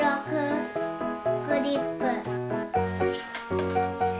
クリップ。